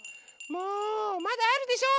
もうまだあるでしょ！